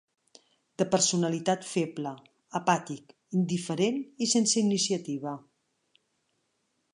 De personalitat feble, apàtic, indiferent i sense iniciativa.